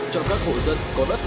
cho các hộ dân